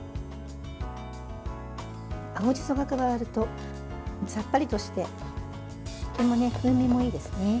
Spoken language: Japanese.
青じそが加わるとさっぱりとしてとっても風味もいいですね。